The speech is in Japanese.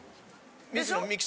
でしょ？